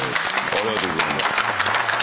ありがとうございます。